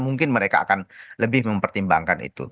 mungkin mereka akan lebih mempertimbangkan itu